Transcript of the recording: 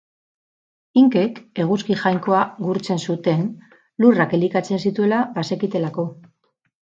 Inkek eguzki jainkoa gurtzen zuten, lurrak elikatzen zituela bazekitelako.